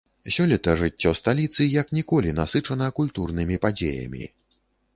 Сёлета жыццё сталіцы як ніколі насычана культурнымі падзеямі.